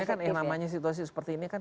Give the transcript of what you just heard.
ini kan yang namanya situasi seperti ini kan